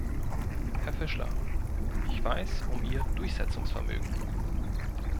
Herr Fischler, ich weiß um Ihr Durchsetzungsvermögen!